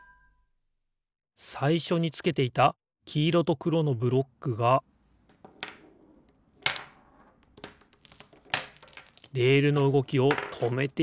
さいしょにつけていたきいろとくろのブロックがレールのうごきをとめていたんですね。